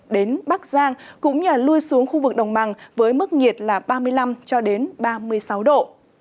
đến bắc giang cũng như là lui xuống khu vực đồng mằng với mức nhiệt là ba mươi năm ba mươi sáu độ